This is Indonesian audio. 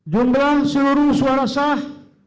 jumlah seluruh suara sah